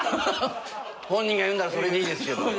本人が言うならそれでいいですけど。